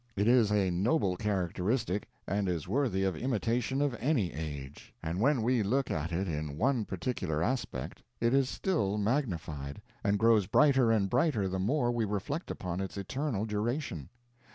It is a noble characteristic and is worthy of imitation of any age. And when we look at it in one particular aspect, it is still magnified, and grows brighter and brighter the more we reflect upon its eternal duration.